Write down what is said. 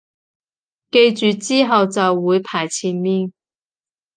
記住之後就會排前面